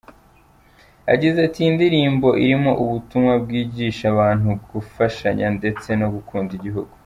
Yagize ati: "Iyi ndirimbo irimo ubutumwa bwigisha abantu gufashanya ndetse no gukunda igihugu.